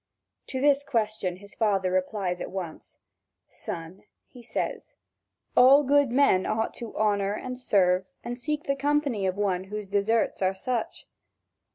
To this question his father replies at once: "Son," he says, "all good men ought to honour and serve and seek the company of one whose deserts are such."